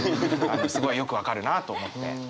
すごいよく分かるなと思って見てました。